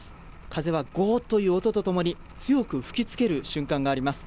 風はごーっという音とともに、強く吹きつける瞬間があります。